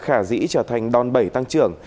khả dĩ trở thành đòn bẩy tăng trưởng